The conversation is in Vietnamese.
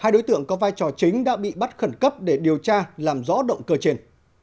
hai đối tượng có vai trò chính đã bị bắt khẩn cấp để điều tra làm rõ động cơ trên